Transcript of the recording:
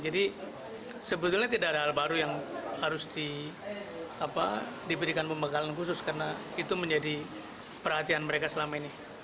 jadi sebetulnya tidak ada hal baru yang harus diberikan pembekalan khusus karena itu menjadi perhatian mereka selama ini